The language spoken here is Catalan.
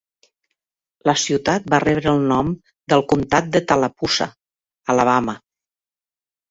La ciutat va rebre el nom del comtat de Tallapoosa, Alabama.